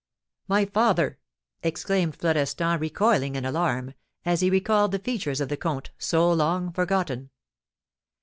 "My father!" exclaimed Florestan, recoiling in alarm, as he recalled the features of the comte, so long forgotten.